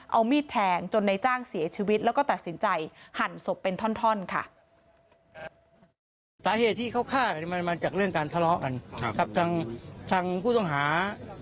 เอามีดแทงจนในจ้างเสียชีวิตแล้วก็ตัดสินใจหั่นศพเป็นท่อนค่ะ